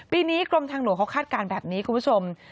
ปีนี้กรมทางหลวงเขาคาดการณ์แบบนี้คุณผู้ชม